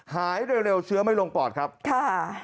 หายเร็วเชื้อไม่ลงปอดครับค่ะ